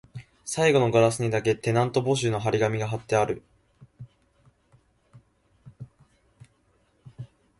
最後のガラスにだけ、テナント募集の張り紙が張ってある